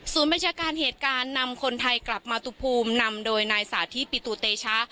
บัญชาการเหตุการณ์นำคนไทยกลับมาตุภูมินำโดยนายสาธิปิตุเตชะ